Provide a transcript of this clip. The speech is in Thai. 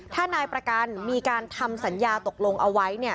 ถ้านายประกันมีการทำสัญญาตกลงเอาไว้